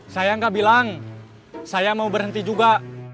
saya nggak bilang saya mau berhenti juga